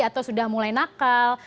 atau sudah mulai nakal